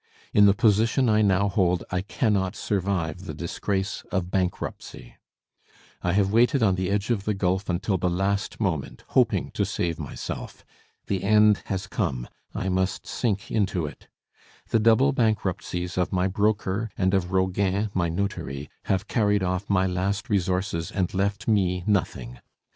In the position I now hold I cannot survive the disgrace of bankruptcy. I have waited on the edge of the gulf until the last moment, hoping to save myself. The end has come, I must sink into it. The double bankruptcies of my broker and of Roguin, my notary, have carried off my last resources and left me nothing.